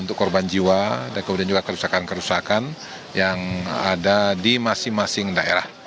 untuk korban jiwa dan kemudian juga kerusakan kerusakan yang ada di masing masing daerah